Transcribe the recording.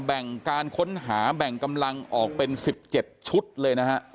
แบ่งการค้นหาแบ่งกำลังออกเป็น๑๗ชุดเลยนะฮะ